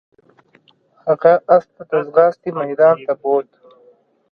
هغه اس ته د ځغاستې میدان ته بوت.